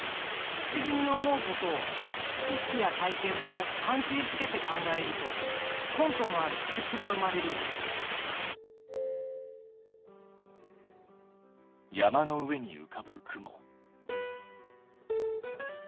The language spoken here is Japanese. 不思議に思うことを知識や体験と関係づけて考えると根拠のある仮説が生まれる山の上にうかぶ雲。